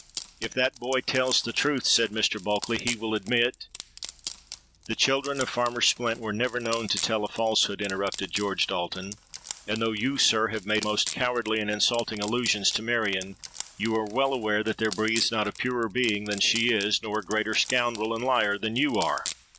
—'If that boy tells the truth,' said Mr. Bulkeley, 'he will admit——.'—'The children of Farmer Splint were never known to tell a falsehood,' interrupted George Dalton; 'and though you, sir, have made most cowardly and insulting allusions to Marion, you are well aware that there breathes not a purer being than she is, nor a greater scoundrel and liar than you are.